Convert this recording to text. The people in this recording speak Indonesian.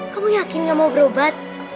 kamu yakin nggak mau berubat